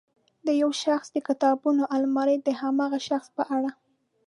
د یو شخص د کتابونو المارۍ د هماغه شخص په اړه.